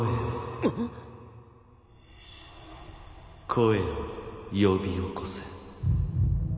・声を呼び起こせ。